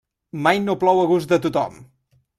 Mai no plou a gust de tothom.